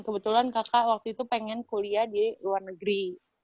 kebetulan kakak waktu itu pengen kuliah di luar negeri